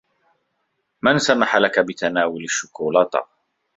من سمح لكِ بتناول الشكولاطة؟